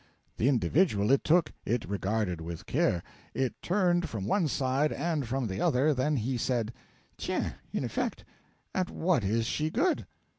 The individual it took, it regarded with care, it turned from one side and from the other, then he said: 'Tiens! in effect! At what is she good?'